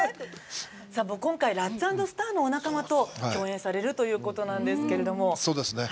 今回、ラッツ＆スターのお仲間と共演されるということなんですが。